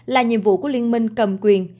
là nhiệm vụ của liên minh cầm quyền